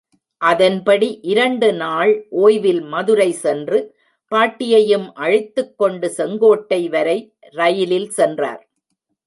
அதன்படி இரண்டு நாள் ஒய்வில் மதுரை சென்று, பாட்டியையும் அழைத்துக் கொண்டு செங்கோட்டை வரை ரயிலில் சென்றார்.